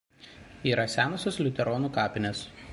Yra senosios liuteronų kapinės.